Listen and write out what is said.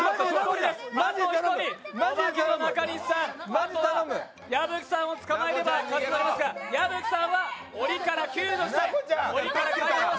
あと１人、オバケの中西さん矢吹さんを捕まえれば勝ちとなりますが、矢吹さんはおりから救助したい。